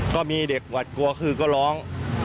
ก็มีเด็กหวัดกลัวคือก็ร้อง